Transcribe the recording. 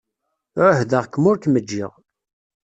Ɛuhdeɣ-kem ur kem-ǧǧiɣ.